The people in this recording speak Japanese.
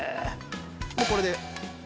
もうこれで。